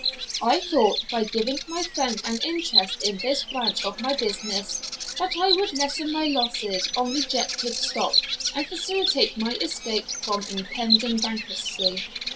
I thought, by giving my friend an interest in this branch of my business, that I would lessen my losses on rejected stock and facilitate my escape from impending bankruptcy.